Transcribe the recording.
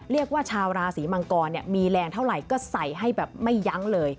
ชาวราศีมังกรมีแรงเท่าไหร่ก็ใส่ให้แบบไม่ยั้งเลย